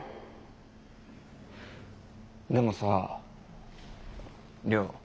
でもさ稜。